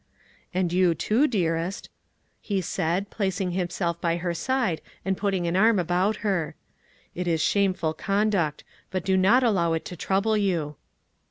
"And you, too, dearest," he said, placing himself by her side and putting an arm about her. "It is shameful conduct, but do not allow it to trouble you."